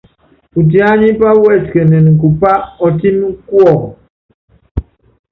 Utiánipá wɛsikɛnɛn bupá ɔtɛ́m kuɔmb.